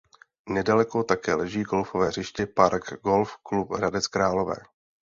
Nedaleko také leží golfové hřiště Park Golf Club Hradec Králové.